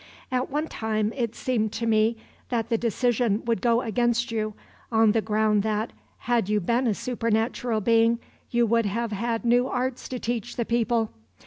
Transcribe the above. "At one time it seemed to me that the decision would go against you, on the ground that, had you been a supernatural being, you would have had new arts to teach the people.